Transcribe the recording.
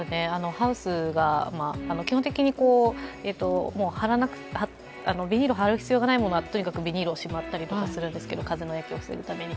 ハウスが基本的にビニールをはる必要がないものは、ビニールを締まったりするんですけど風の影響を防ぐために。